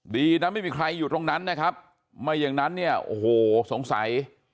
ดีนะไม่มีใครอยู่ตรงนั้นนะครับไม่อย่างนั้นเนี่ยโอ้โหสงสัย